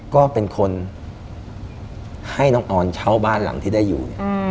ก็เป็นคนให้น้องออนเช่าบ้านหลังที่ได้อยู่